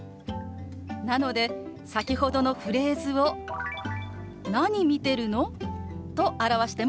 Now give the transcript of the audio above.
なので先ほどのフレーズを「何見てるの？」と表してもＯＫなんですよ。